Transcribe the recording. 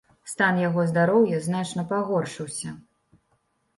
Стан яго здароўя значна пагоршыўся.